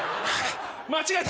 間違えた。